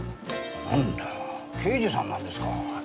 なんだ刑事さんなんですか。